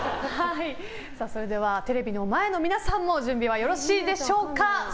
それではテレビの前の皆さんも準備はよろしいでしょうか。